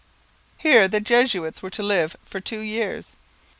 Here the Jesuits were to live for two years.